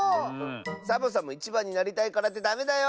サボさんもいちばんになりたいからってダメだよ！